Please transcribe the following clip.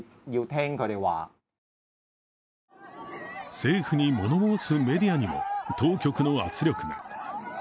政府に物申すメディアにも、当局の圧力が。